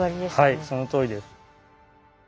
はいそのとおりです。